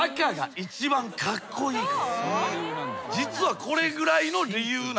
実はこれぐらいの理由なんだと。